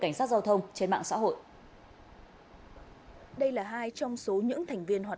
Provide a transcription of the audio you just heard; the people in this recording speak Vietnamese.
cảnh sát giao thông trên mạng xã hội đây là hai trong số những thành viên hoạt